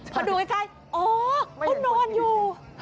พอดูใกล้โอ้โฮโอ้โฮนอนอยู่